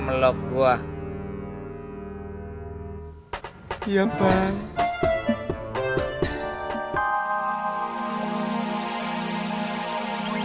nggak usah melok gue